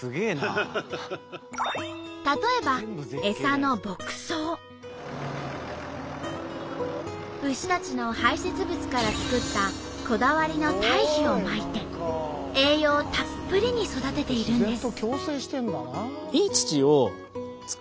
例えば牛たちの排せつ物から作ったこだわりの堆肥をまいて栄養たっぷりに育てているんです。